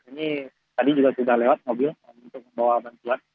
ini tadi juga sudah lewat mobil untuk membawa bantuan